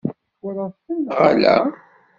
Twalaḍ-ten neɣ ala?